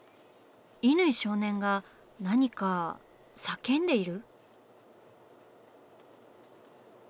乾少年が何か叫んでいる？